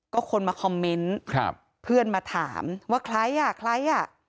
ก็คนมาคอมเมนต์ครับเพื่อนมาถามว่าใครอ่ะใครอ่ะ